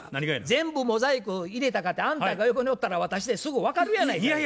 全部モザイク入れたかてあんたが横におったら私てすぐ分かるやないかい。